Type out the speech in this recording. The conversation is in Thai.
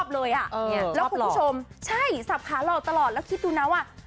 แล้วคุณผู้ชมไลค์ตลอดตลอดแล้วคิดดูน้ำว่า